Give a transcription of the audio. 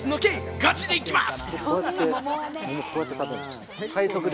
ガチでいきます！